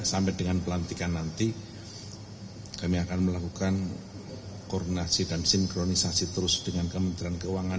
sampai dengan pelantikan nanti kami akan melakukan koordinasi dan sinkronisasi terus dengan kementerian keuangan